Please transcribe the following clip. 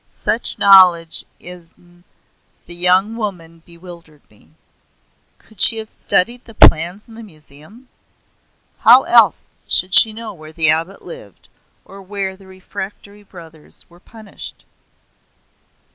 Such knowledge in a young woman bewildered me. Could she have studied the plans in the Museum? How else should she know where the abbot lived, or where the refractory brothers were punished?